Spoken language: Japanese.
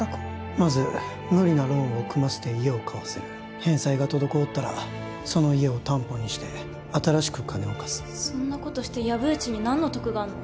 まず無理なローンを組ませて家を買わせる返済が滞ったらその家を担保にして新しく金を貸すそんなことして薮内に何の得があんの？